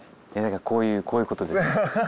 こういうことです。